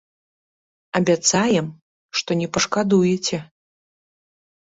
Абяцаем, што не пашкадуеце.